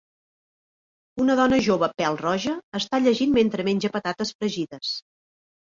Una dona jove pèl-roja està llegint mentre menja patates fregides.